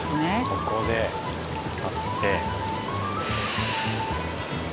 ここで張って。